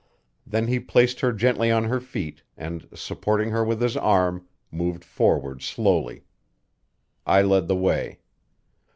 Then he placed her gently on her feet, and, supporting her with his arm, moved forward slowly. I led the way.